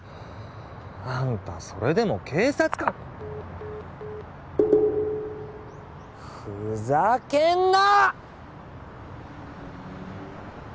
あんたそれでも警察官ふざけんな！